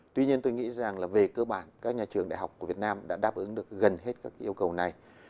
tuy nhiên tôi nghĩ rằng là về cơ bản các nhà trường đại học của việt nam đã đáp ứng được gần hết các yêu cầu này